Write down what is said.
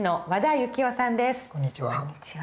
こんにちは。